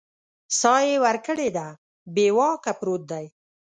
ساه یې ورکړې ده بې واکه پروت دی